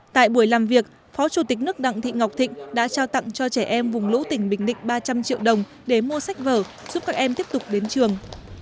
tại buổi làm việc phó chủ tịch nước đặng thị ngọc thịnh đã trao tặng cho trẻ em vùng lũ tỉnh bình định ba trăm linh triệu đồng để mua sách vở giúp các em tiếp tục đến trường